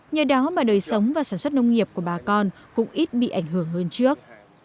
nhờ đó mà đời sống và sản xuất nông nghiệp của bà con cũng ít bị ảnh hưởng hơn trước